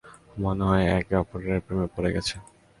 মনে হয় একে অপরের প্রেমে পড়ে গেছ।